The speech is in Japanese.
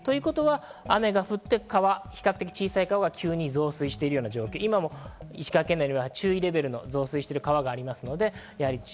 雨が降って比較的小さい川が急に増水して、石川県内では注意レベルに増水してる川があります。